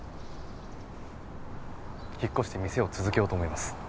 引っ越して店を続けようと思います。